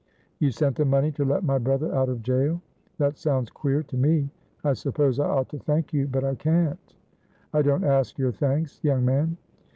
"You sent the money to let my brother out of jail? That sounds queer to me. I suppose I ought to thank you, but I can't." "I don't ask your thanks, young man."